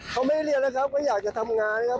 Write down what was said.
เขาไม่ได้เรียนแล้วครับก็อยากจะทำงานนะครับ